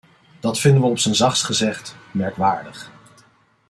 Dat vinden wij op zijn zachtst gezegd merkwaardig.